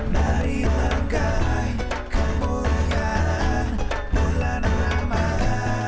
bersama kami kemuliaan bulan amat